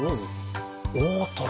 大トロ。